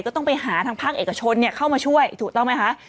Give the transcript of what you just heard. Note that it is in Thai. ก็ต้องไปหาทางภาคเอกชนเข้ามาช่วยถูกต้องไหมคะ